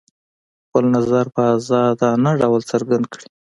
خپل نظر په ازادانه ډول څرګند کړي.